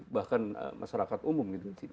bahkan masyarakat umum